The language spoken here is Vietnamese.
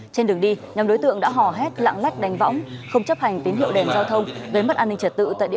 trên đường đi nhóm đối tượng đã hò hét lặng lách đánh võng không chấp hành tín hiệu đèn giao thông với mất an ninh trật tự tại địa bàn tp vĩnh yên